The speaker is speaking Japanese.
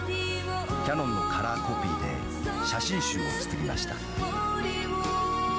「キヤノンのカラーコピーで写真集を作りました」